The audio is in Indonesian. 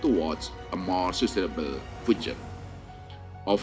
ke jalan ke masa depan yang lebih selamat